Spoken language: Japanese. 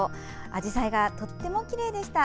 あじさいがとってもきれいでした。